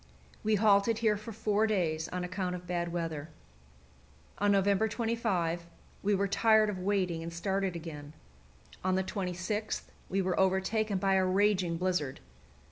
We halted here for four days on account of bad weather. On November 25 we were tired of waiting, and started again. On the 26th we were overtaken by a raging blizzard.